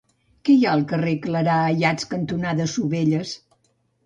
Què hi ha al carrer Clarà Ayats cantonada Sovelles?